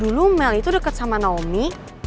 dulu mel itu deket sama naomi